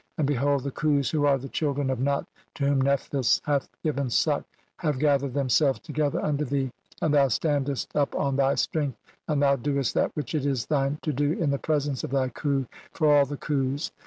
And behold, the "Khus, who are the children of Nut to whom Neph "thys hath given suck, have gathered themselves to gether unto thee ; and thou standest up on thy "strength, and thou doest that which it is thine to "do in the presence of thy Khu (24) for all the Khus.